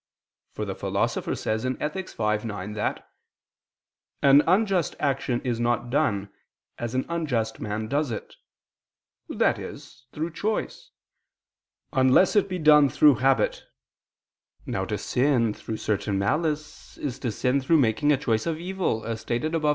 For the Philosopher says (Ethic. v, 9) that "an unjust action is not done as an unjust man does it," i.e. through choice, "unless it be done through habit." Now to sin through certain malice is to sin through making a choice of evil, as stated above (A.